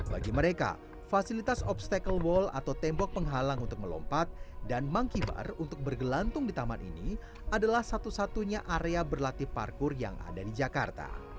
bagi mereka fasilitas obstacle wall atau tembok penghalang untuk melompat dan monkey bar untuk bergelantung di taman ini adalah satu satunya area berlatih parkur yang ada di jakarta